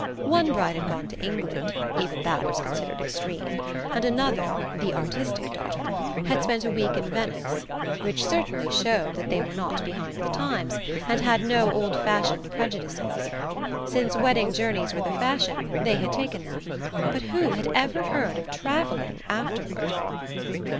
One bride had gone to England (even that was considered extreme), and another the artistic daughter had spent a week in Venice; which certainly showed that they were not behind the times, and had no old fashioned prejudices. Since wedding journeys were the fashion, they had taken them; but who had ever heard of travelling afterward?